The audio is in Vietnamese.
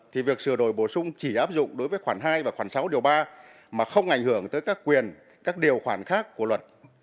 thì việc sửa đổi bổ sung chỉ áp dụng đối với khoản hai và khoảng sáu điều ba mà không ảnh hưởng tới các quyền các điều khoản khác của luật